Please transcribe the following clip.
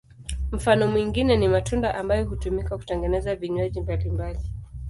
Mfano mwingine ni matunda ambayo hutumika kutengeneza vinywaji mbalimbali.